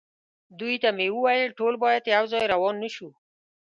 دوی ته مې وویل: ټول باید یو ځای روان نه شو.